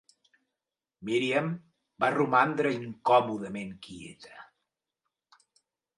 Miriam va romandre incòmodament quieta.